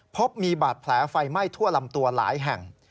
พบมีบาดแผลไฟไหม้ทั่วลำตัวหลายแห่ง